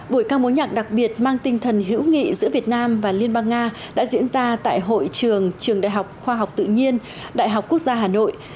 buổi ca mối nhạc đặc biệt mang tinh thần hữu nghị giữa việt nam và liên bang nga đã diễn ra tại hội trường trường đại học khoa học tự nhiên đại học quốc gia hà nội